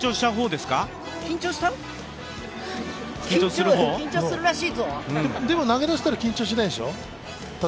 でも、投げ出したら緊張しないでしょ？